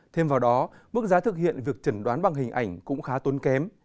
thêm vào đó mức giá thực hiện việc chẩn đoán bằng hình ảnh cũng khá tốn kém